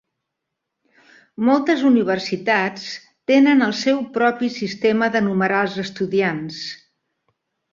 Moltes universitats tenen el seu propi sistema de numerar els estudiants.